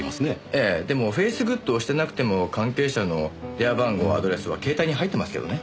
ええでもフェイスグッドをしてなくても関係者の電話番号アドレスは携帯に入ってますけどね。